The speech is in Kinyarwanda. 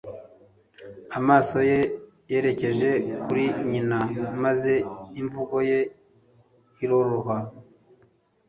Amaso ye yerekeje kuri nyina maze imvugo ye iroroha.